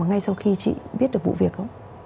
ngay sau khi chị biết được vụ việc không